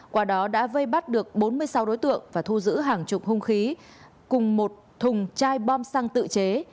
qua đó đã vây bắt được bốn mươi sáu đối tượng và thu giữ hàng chục hung khí cùng một thùng chai bom xăng tự chế